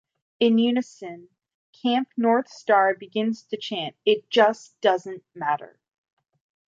In unison, Camp North Star begins to chant, It just doesn't matter!